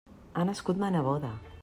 Ha nascut ma neboda.